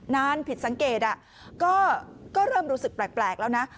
นานผิดสังเกตก็เริ่มรู้สึกแปลกแล้วนะ